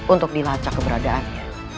untuk dilacak keberadaannya